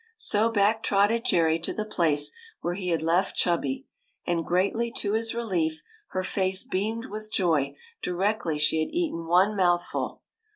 So back trotted Jerry to the place where he had left Chubby ; and greatly to his relief her face beamed with joy directly she had eaten one mouthful.